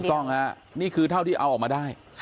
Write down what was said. ต้องฮะนี่คือเท่าที่เอาออกมาได้